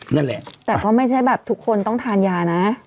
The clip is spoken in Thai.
นั่นแหละแต่ก็ไม่ใช่แบบทุกคนต้องทานยานะ